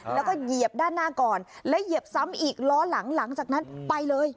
แล้วก็เหยียบด้านหน้าก่อนแล้วเหยียบซ้ำอีกล้อหลังหลังจากนั้นไปเลย